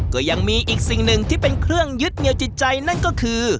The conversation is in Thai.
ก็ยังมีอีกสิ่งหนึ่งที่เป็นเครื่องยึดเหนียวจิตใจนั่นก็คือ